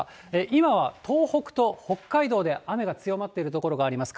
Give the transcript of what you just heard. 今は東北と北海道で雨が強まっている所があります。